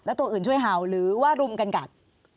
แล้วตัวอื่นช่วยเห่าหรือว่ารุมกันกัด